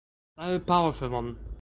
O Powerful One!